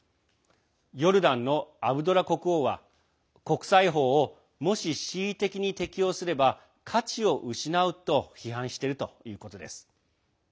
ヨルダンのアブドラ国王は国際法をもし恣意的に適用すれば価値を失うと批判しているということです。